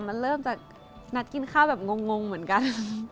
มันเริ่มจากนัดกินข้าวแบบงงเหมือนกัน